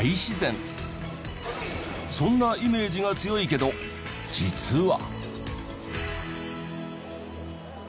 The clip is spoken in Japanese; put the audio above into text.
そんなイメージが強いけど実は。